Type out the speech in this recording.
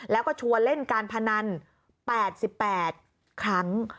แล้วก็ชวนเล่นการพนัน๘๘ครั้ง